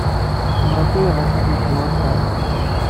Maɣef ay yeɣs ad yeddu ass-a?